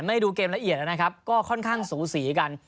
และไม่ได้ดูเกมละเอียดละครับก็ค่อนข้างสูสีกล่ะกัน